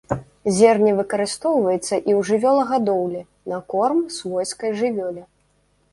Зерне выкарыстоўваецца і ў жывёлагадоўлі на корм свойскай жывёле.